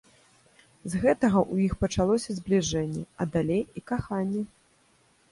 З гэтага ў іх пачалося збліжэнне, а далей і каханне.